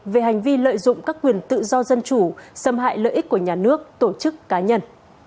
về hành vi lợi dụng các quyền tự do dân chủ xâm hại lợi ích của nhà nước tổ chức cá nhân